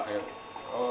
timnya kapolres kerinci